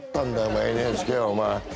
ＮＨＫはお前。